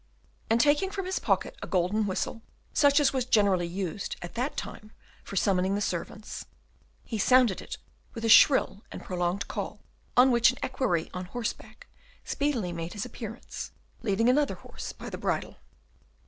And taking from his pocket a golden whistle, such as was generally used at that time for summoning the servants, he sounded it with a shrill and prolonged call, on which an equerry on horseback speedily made his appearance, leading another horse by the bridle.